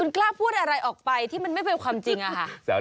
กล้าพูดอะไรออกไปที่มันไม่เป็นความจริงอะค่ะ